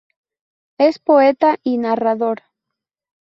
Es poeta y narrador.